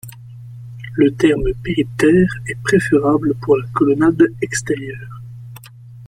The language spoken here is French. Le terme périptère est préférable pour la colonnade extérieure.